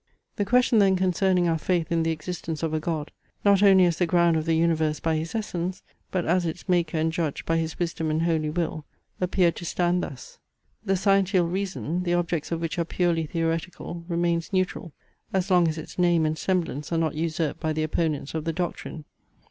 The question then concerning our faith in the existence of a God, not only as the ground of the universe by his essence, but as its maker and judge by his wisdom and holy will, appeared to stand thus. The sciential reason, the objects of which are purely theoretical, remains neutral, as long as its name and semblance are not usurped by the opponents of the doctrine.